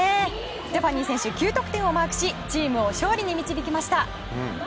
ステファニー選手９得点をマークしチームを勝利に導きました。